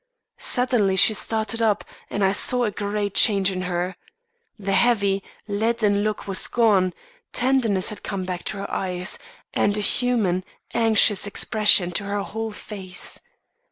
Suddenly she started up, and I saw a great change in her. The heavy, leaden look was gone; tenderness had come back to her eyes, and a human anxious expression to her whole face.